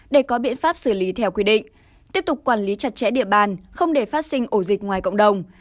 để có biện pháp xử lý theo quy định tiếp tục quản lý chặt chẽ địa bàn không để phát sinh ổ dịch ngoài cộng đồng